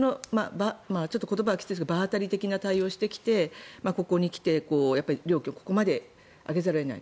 言葉はきついですが場当たり的な対応をしてきてここに来て料金をここまで上げざるを得ない。